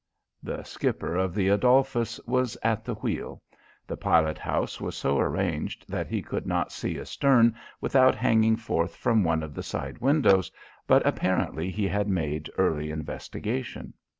The skipper of the Adolphus was at the wheel. The pilot house was so arranged that he could not see astern without hanging forth from one of the side windows, but apparently he had made early investigation.